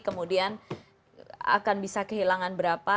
kemudian akan bisa kehilangan berapa